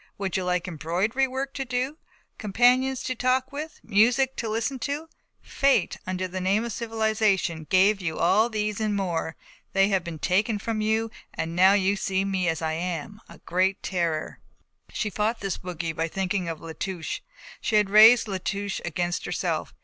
Would you like embroidery work to do, companions to talk with, music to listen to? Fate, under the name of civilization, gave you all these and more, they have been taken from you and now you see me as I am, the great terror." She fought this Bogey by thinking of La Touche. She had raised La Touche against herself.